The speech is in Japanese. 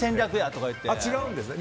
違うんですね。